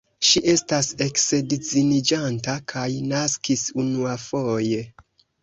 Ŝi estas eksedziniĝanta kaj naskis unuafoje.